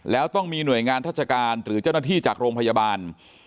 แล้วต้องมีหน่วยงานราชการหรือเจ้าหน้าที่จากโรงพยาบาล